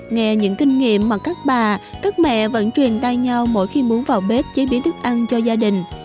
nghe những kinh nghiệm mà các bà các mẹ vẫn truyền tay nhau mỗi khi muốn vào bếp chế biến thức ăn cho gia đình